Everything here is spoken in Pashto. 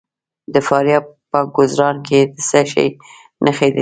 د فاریاب په ګرزوان کې د څه شي نښې دي؟